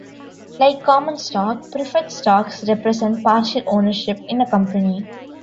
Like common stock, preferred stocks represent partial ownership in a company.